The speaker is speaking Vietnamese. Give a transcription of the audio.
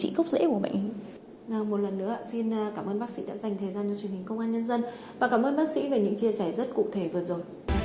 thời gian cho truyền hình công an nhân dân và cảm ơn bác sĩ về những chia sẻ rất cụ thể vừa rồi